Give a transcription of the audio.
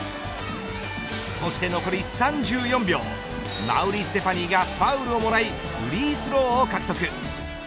そして残り３４秒馬瓜ステファニーがファウルをもらいフリースローを獲得。